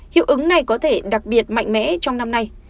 hiệu ứng này có thể đặc biệt mạnh mẽ trong năm nay